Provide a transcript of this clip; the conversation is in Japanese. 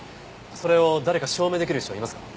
それを誰か証明出来る人はいますか？